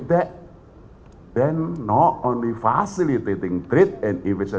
tidak hanya memperbolehkan kewangan dan investasi